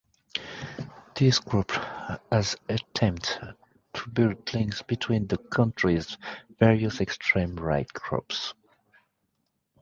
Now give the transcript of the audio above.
This group has attempted to build links between the country's various extreme right groups.